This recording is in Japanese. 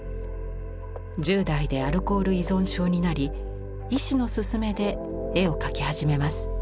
１０代でアルコール依存症になり医師の勧めで絵を描き始めます。